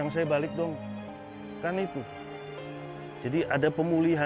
setelah terjadi masalah